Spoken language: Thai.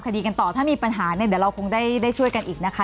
คดีกันต่อถ้ามีปัญหาเนี่ยเดี๋ยวเราคงได้ช่วยกันอีกนะคะ